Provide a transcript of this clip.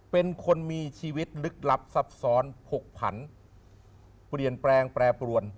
เป็นคนมีชีวิตลึกลับซับซ้อนผกผันเปลี่ยนแปลงแปรปรวน